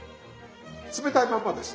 冷たいまんまです。